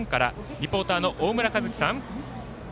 リポーターの大村和輝さん。